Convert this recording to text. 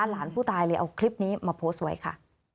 หลานผู้ตายเลยเอาคลิปนี้มาโพสต์ไว้ค่ะ